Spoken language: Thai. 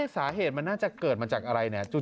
สาเหตุมันน่าจะเกิดมาจากอะไรเนี่ย